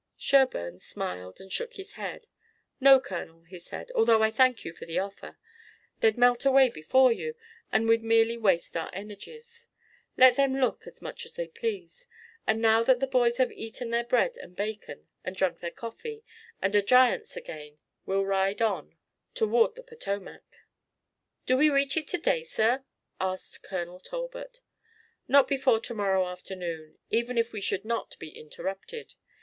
Sherburne smiled and shook his head. "No, Colonel," he said, "although I thank you for the offer. They'd melt away before you and we'd merely waste our energies. Let them look as much as they please, and now that the boys have eaten their bread and bacon and drunk their coffee, and are giants again, we'll ride on toward the Potomac." "Do we reach it to day, sir?" asked Colonel Talbot. "Not before to morrow afternoon, even if we should not be interrupted.